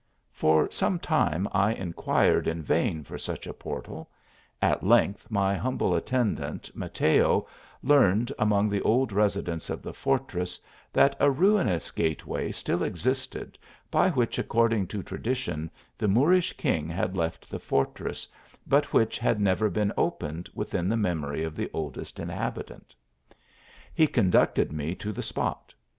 For some time I inquired in vain for such a portal ; at length my humble attendant, Mateo, learned among the old residents of the fortress, that a ruinous gateway still existed, by which, according to tradition, the Moorish king had left the for > ress, but which had never been open within the memory of the oldest inhabitant. He conducted me to the spot.